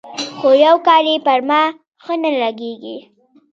خو يو کار يې پر ما ښه نه لګېږي.